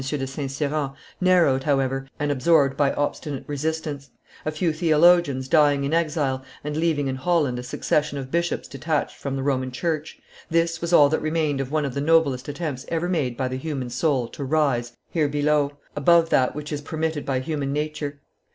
de St. Cyran, narrowed, however, and absorbed by obstinate resistance, a few theologians dying in exile, and leaving in Holland a succession of bishops detached from the Roman church, this was all that remained of one of the noblest attempts ever made by the human soul to rise, here below, above that which is permitted by human nature.